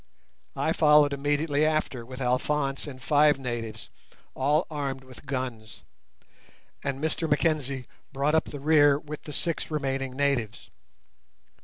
I followed immediately after with Alphonse and five natives all armed with guns, and Mr Mackenzie brought up the rear with the six remaining natives.